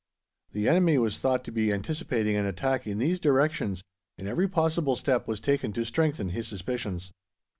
"The enemy was thought to be anticipating an attack in these directions and every possible step was taken to strengthen his suspicions."